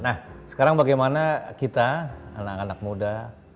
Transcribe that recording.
nah sekarang bagaimana kita anak anak muda